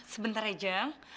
sebentar ya jeng